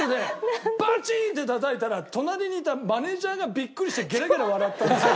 バチン！ってたたいたら隣にいたマネージャーがビックリしてゲラゲラ笑ったんですよ。